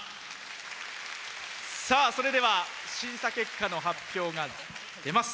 それでは審査結果の発表が出ます。